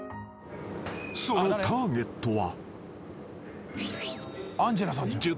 ［そのターゲットは］